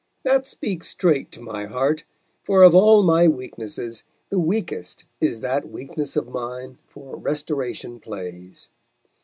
That speaks straight to my heart; for of all my weaknesses the weakest is that weakness of mine for Restoration plays.